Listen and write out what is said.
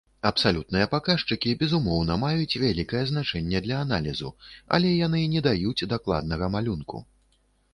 Абсалютныя паказчыкі, безумоўна, маюць вялікае значэнне для аналізу, але яны не даюць дакладнага малюнку.